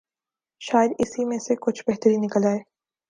شاید اسی میں سے کچھ بہتری نکل آئے۔